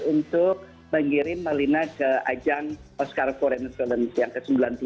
untuk mengirim marlina ke ajang oscar korean film yang ke sembilan puluh satu